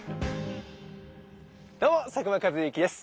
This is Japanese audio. どうも佐久間一行です。